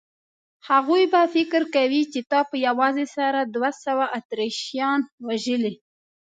هغوی به فکر کوي چې تا په یوازې سره دوه سوه اتریشیان وژلي.